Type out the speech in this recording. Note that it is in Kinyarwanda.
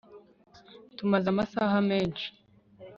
Tumaze amasaha menshi